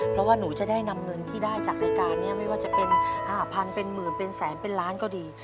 เพราะว่าหนูจะได้นำเงินที่ได้จากรายการนี้ไม่ว่าจะเป็น๕๐๐เป็นหมื่นเป็นแสนเป็นล้านก็ดี